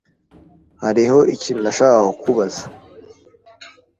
Hariho ikintu nashakaga kukubaza,